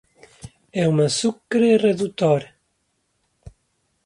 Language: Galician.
É un azucre redutor.